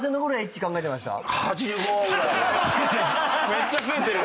めっちゃ増えてる。